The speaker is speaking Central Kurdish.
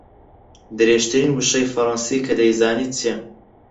درێژترین وشەی فەڕەنسی کە دەیزانیت چییە؟